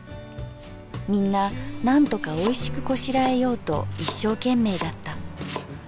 みんななんとかおいしくこしらえようと一生懸命だった。